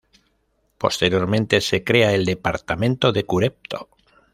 Posteriormente se crea el Departamento de Curepto.